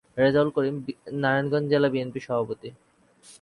রেজাউল করিম নারায়ণগঞ্জ জেলা বিএনপির সভাপতি।